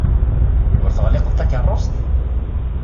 Ur teɣliqeḍ takeṛṛust?